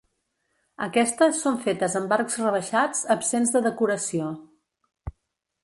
Aquestes són fetes amb arcs rebaixats absents de decoració.